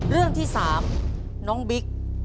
เรื่องที่๓น้องบิ๊ก